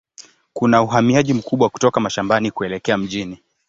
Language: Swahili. Kuna uhamiaji mkubwa kutoka mashambani kuelekea mjini.